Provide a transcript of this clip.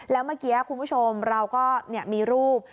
แล้วเมื่อกี้คุณผู้ชมเราก็มีรูป